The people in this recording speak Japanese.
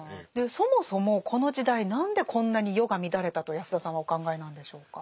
そもそもこの時代何でこんなに世が乱れたと安田さんはお考えなんでしょうか？